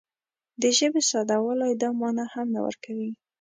د ژبې ساده والی دا مانا هم نه ورکوي